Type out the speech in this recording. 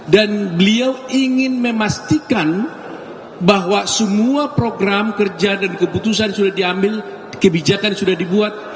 dan beliau ingin memastikan bahwa semua program kerja dan keputusan sudah diambil kebijakan sudah dibuat